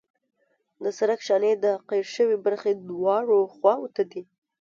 د سرک شانې د قیر شوې برخې دواړو خواو ته دي